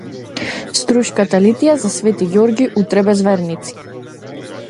Струшката литија за свети Ѓорги утре без верници